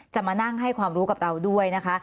มานั่งให้ความรู้กับเราด้วยนะคะ